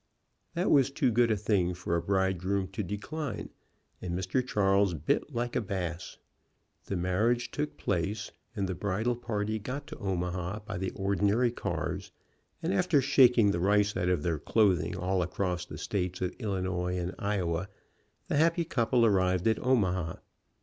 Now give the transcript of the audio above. That was too good a thing for a bridegroom to decline, and Mr. Charles bit like a bass. The marriage took place, and the bridal party got to Omaha by the ordinary cars, and after shaking the rice out of their clothing all across the states of Illinois and Iowa, the happy couple arrived at Omaha.